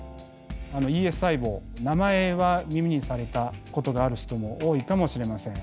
ＥＳ細胞名前は耳にされたことがある人も多いかもしれません。